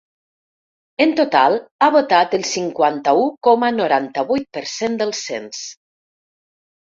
En total, ha votat el cinquanta-u coma noranta-vuit per cent del cens.